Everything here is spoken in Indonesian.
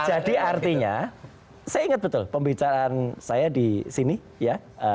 jadi artinya saya ingat betul pembicaraan saya di sini ya